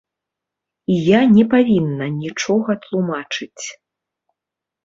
І я не павінна нічога тлумачыць.